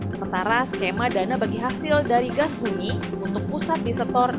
sementara skema dana bagi hasil dari gas bumi untuk pusat disetor enam puluh sembilan lima persen